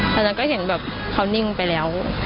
และหนึ่งก็เห็นเขานิ่งไปแล้ว